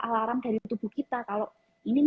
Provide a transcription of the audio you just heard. alarm dari tubuh kita kalau ini